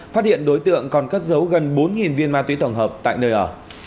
phát hiện đối tượng còn cất giấu gần bốn viên ma túy tổng hợp tại nơi ở